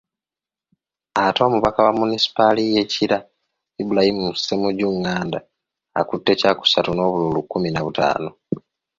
Ate omubaka wa munisipaali y'e Kira, Ibrahim Ssemujju Nganda akutte kyakusatu n’obululu kkumi na butaano.